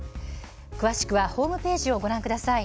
詳しくはホームページをご覧ください。